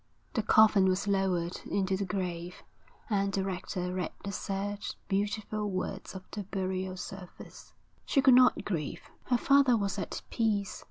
The coffin was lowered into the grave, and the rector read the sad, beautiful words of the burial service. She could not grieve. Her father was at peace.